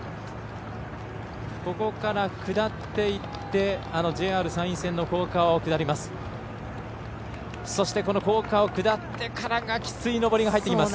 ここから下っていってＪＲ山陰線の高架を下ります。